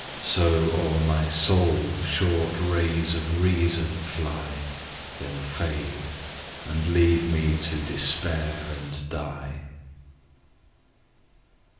So o'er my soul short rays of reason fly, Then fade: and leave me to despair and die.